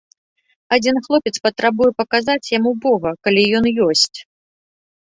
Адзін хлопец патрабуе паказаць яму бога, калі ён ёсць.